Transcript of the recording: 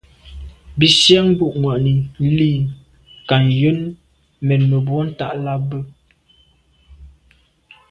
Bìn síáŋ bû’ŋwà’nǐ lî kά njə́n mə̂n mbwɔ̀ ntὰg lά bwə́.